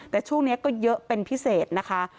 แต่ช่วงนี้ก็เยอะเป็นพิเศษนะคะ